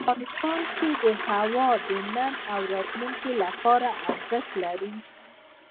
افغانستان کې هوا د نن او راتلونکي لپاره ارزښت لري.